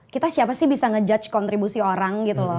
kita siapa sih bisa ngejudge kontribusi orang gitu loh